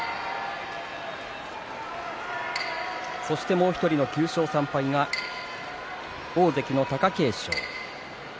もう１人の９勝３敗が大関の貴景勝。